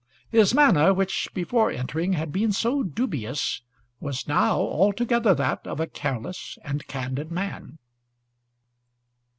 His manner, which before entering had been so dubious, was now altogether that of a careless and candid man.